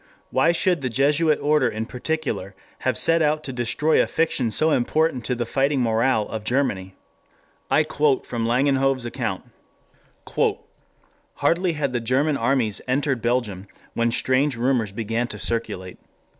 Why should the Jesuit order in particular have set out to destroy a fiction so important to the fighting morale of Germany? I quote from M. van Langenhove's account: "Hardly had the German armies entered Belgium when strange rumors began to circulate.